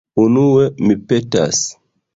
Unue, mi petas...